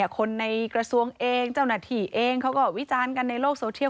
คนในกระทรวงเองเจ้าหน้าที่เองเขาก็วิจารณ์กันในโลกโซเทียล